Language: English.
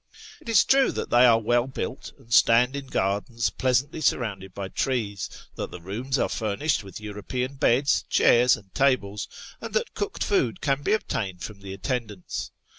It is true that they are well built, and stand in gardens pleasantly surrounded by trees ; that the rooms are furnished with European beds, chairs, and tables ; and that cooked food can be obtained from the attend ants.